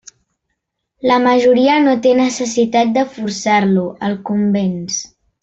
La majoria no té necessitat de forçar-lo; el convenç.